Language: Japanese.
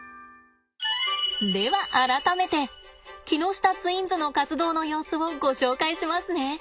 では改めて木下ツインズの活動の様子をご紹介しますね。